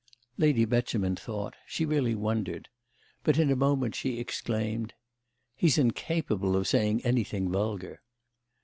Lady Beauchemin thought—she really wondered. But in a moment she exclaimed: "He's incapable of saying anything vulgar!"